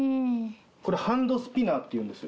これ、ハンドスピナーっていうんですよ。